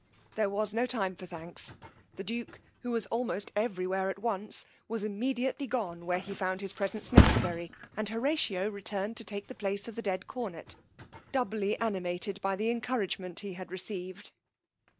There was no time for thanks; the duke, who was almost every where at once, was immediately gone where he found his presence necessary, and Horatio returned to take the place of the dead cornet, doubly animated by the encouragement he had received.